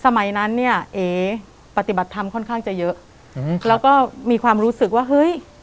สมัยนั้นเนี่ยเอ๋ปฏิบัติธรรมค่อนข้างจะเยอะแล้วก็มีความรู้สึกว่าเฮ้ย